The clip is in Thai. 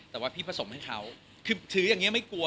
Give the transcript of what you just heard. แต่ว่าพี่ผสมให้เขาคือถืออย่างนี้ไม่กลัว